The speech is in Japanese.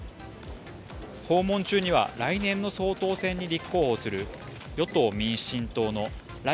訪問中には来年の総統選に立候補する、与党・民進党の頼